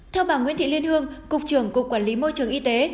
theo bà nguyễn thị liên hương cục trưởng cục quản lý môi trường y tế